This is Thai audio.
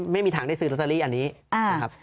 ไม่มีทางได้ซื้อลอตเตอรี่อันนี้นะครับ